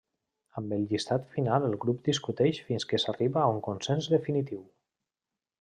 Amb el llistat final el grup discuteix fins que s'arriba a un consens definitiu.